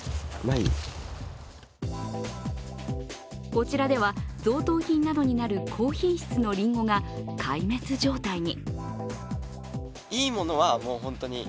こちらでは、贈答品などになる高品質のりんごが壊滅状態に。